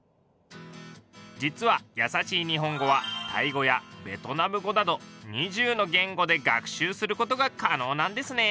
実は「やさしい日本語」はタイ語やベトナム語など２０の言語で学習することが可能なんですね。